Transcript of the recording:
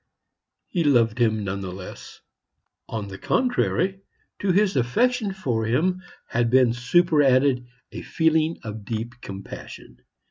He loved him none the less; on the contrary, to his affection for him had been superadded a feeling of deep compassion.